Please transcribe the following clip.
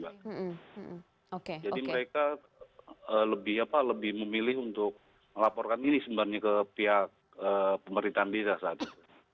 jadi mereka lebih memilih untuk melaporkan ini sebenarnya ke pihak pemerintahan desa saat itu